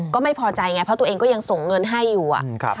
ก็ไม่พอใจไงเพราะตัวเองก็ยังส่งเงินให้อยู่